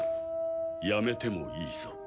やめてもいいぞ。